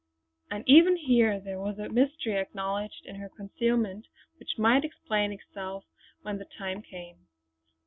And even here there was a mystery, acknowledged in her concealment, which might explain itself when the time came.